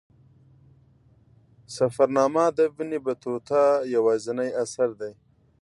سفرنامه د ابن بطوطه یوازینی اثر دی.